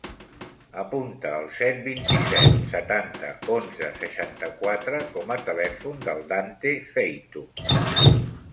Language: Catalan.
Apunta el set, vint-i-set, setanta, onze, seixanta-quatre com a telèfon del Dante Feito.